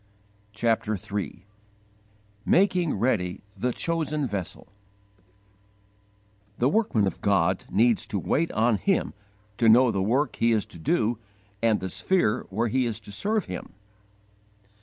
CHAPTER III MAKING READY THE CHOSEN VESSEL THE workman of God needs to wait on Him to know the work he is to do and the sphere where he is to serve Him.